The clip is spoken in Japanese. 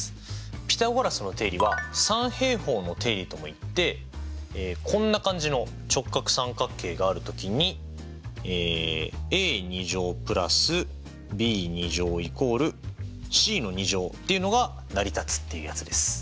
ピタゴラスの定理は三平方の定理ともいってこんな感じの直角三角形がある時にっていうのが成り立つっていうやつです。